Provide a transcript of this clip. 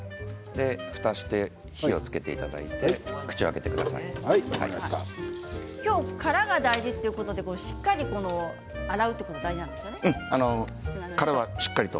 ふたして火をつけていただいて今日は殻が大事ということでしっかり洗うということも殻はしっかりと。